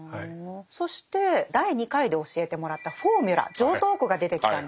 そして第２回で教えてもらった「フォーミュラ」常套句が出てきたんですね。